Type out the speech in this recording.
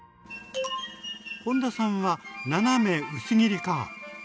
本田さんは斜め薄切りか。